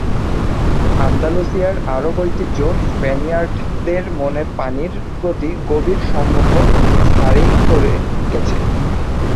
আন্দালুসিয়ার আরব ঐতিহ্য স্প্যানিয়ার্ডদের মনে পানির প্রতি গভীর সম্মোহ স্থায়ী করে গেছে।